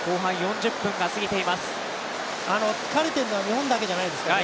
疲れているのは日本だけじゃないですからね。